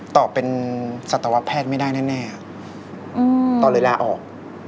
ต่อเป็นสัตวแพทย์ไม่ได้แน่ต่อเลยลาออก